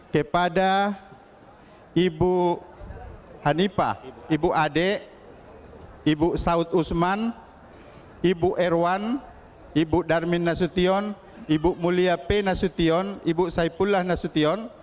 kepada ibu hanipa ibu ade ibu saud usman ibu erwan ibu darmin nasution ibu mulia p nasution ibu saipullah nasution